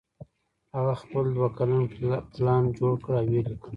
هغه خپل دوه کلن پلان جوړ کړ او ویې لیکه